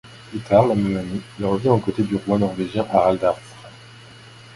Plus tard la même année, il revient aux côtés du roi norvégien Harald Hardrade.